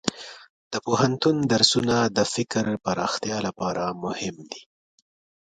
د پوهنتون درسونه د فکر پراختیا لپاره مهم دي.